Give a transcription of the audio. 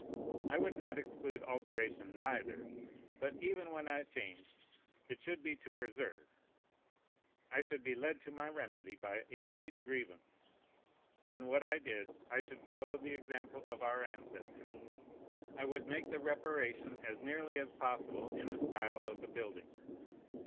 I would not exclude alteration neither; but even when I changed, it should be to preserve. I should be led to my remedy by a great grievance. In what I did, I should follow the example of our ancestors. I would make the reparation as nearly as possible in the style of the building.